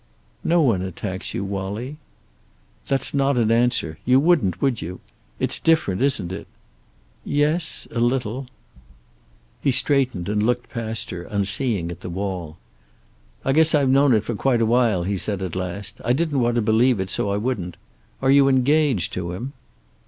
"No one attacks you, Wallie." "That's not an answer. You wouldn't, would you? It's different, isn't it?" "Yes. A little." He straightened, and looked past her, unseeing, at the wall. "I guess I've known it for quite a while," he said at last. "I didn't want to believe it, so I wouldn't. Are you engaged to him?"